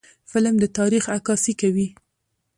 فلم د تاریخ عکاسي کوي